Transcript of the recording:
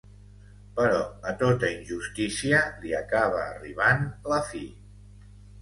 Però a tota injustícia li acaba arribant la fi.